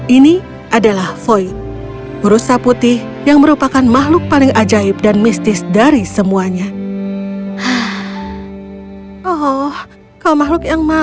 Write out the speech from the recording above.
ini adalah void rusa putih yang merupakan makhluk paling ajaib dan mistis dari semuanya